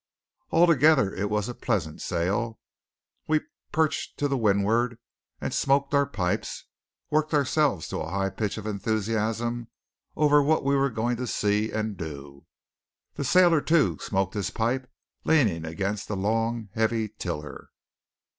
Altogether it was a pleasant sail. We perched to windward, and smoked our pipes, and worked ourselves to a high pitch of enthusiasm over what we were going to see and do. The sailor too smoked his pipe, leaning against the long, heavy tiller.